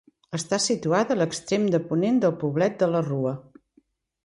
Està situada a l'extrem de ponent del poblet de la Rua.